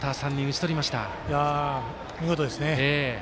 見事ですね。